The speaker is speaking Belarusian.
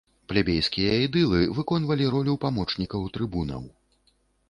Плебейскія эдылы выконвалі ролю памочнікаў трыбунаў.